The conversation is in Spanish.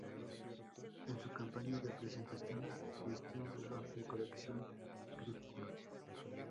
En su campaña de presentación, vistió un reloj de la colección Clifton.